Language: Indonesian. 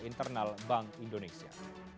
internal bank indonesia